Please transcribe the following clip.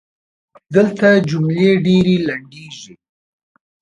دلته جملې ډېري لنډیږي.